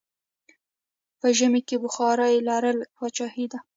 په ژمی کې بخارا لرل پادشاهي ده.